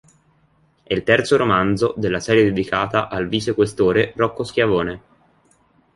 È il terzo romanzo della serie dedicata al vicequestore Rocco Schiavone.